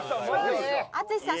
淳さん